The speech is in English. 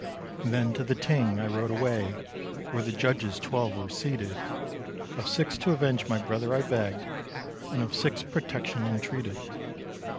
And then to the Ting I rode away, Where the judges twelve were seated; Of six to avenge my brother I begged, And of six protection entreated.